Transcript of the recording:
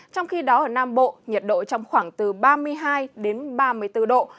trong khi đó ở nam bộ nhiệt độ trong khoảng từ ba mươi hai đến ba mươi bốn độ